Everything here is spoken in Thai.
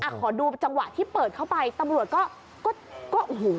ขอดูจังหวะที่เปิดเข้าไปตำรวจก็ก็โอ้โห